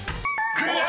［クリア！］